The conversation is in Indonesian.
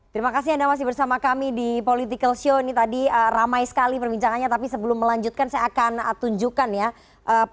terima kasih anda masih bersama kami di political show ini tadi ramai sekali perbincangannya tapi sebelum melanjutkan saya akan tunjukkan ya